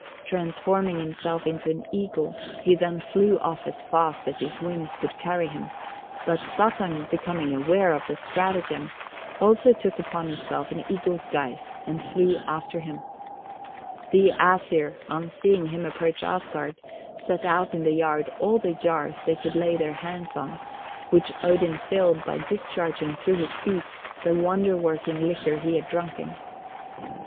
Transforming himself into an eagle, he then flew off as fast as his wings could carry him, but Suttung becoming aware of the stratagem, also took upon himself an eagle's guise, and flew after him. The Æsir, on seeing him approach Asgard, set out in the yard all the jars they could lay their hands on, which Odin filled by discharging through his beak the wonder working liquor he had drunken.